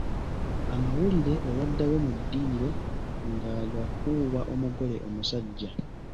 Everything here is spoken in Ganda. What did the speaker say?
Amawulire olwaddayo mu ddiiro ng'agafuuwa omugole omusajja.